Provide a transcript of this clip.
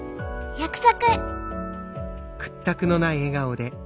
約束。